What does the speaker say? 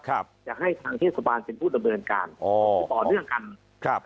ครับจะให้ทางเทศบาลเป็นผู้ดำเนินการอ๋อต่อเนื่องกันครับ